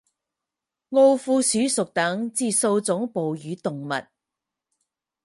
奥库鼠属等之数种哺乳动物。